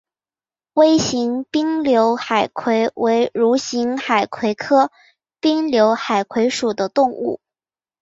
微型滨瘤海葵为蠕形海葵科滨瘤海葵属的动物。